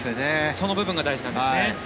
その部分が大事なんですね。